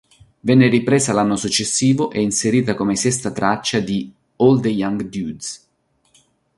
Venne ripresa l'anno successivo e inserita come sesta traccia di "All the Young Dudes".